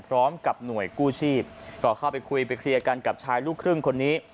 พร้อมกับหน่วยกู้ชีพก็เข้าไปคุยไปเคลียร์กันกับชายลูกครึ่งคนนี้